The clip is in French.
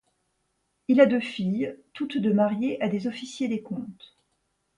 Il a deux filles toutes deux mariées à des officiers des Comptes.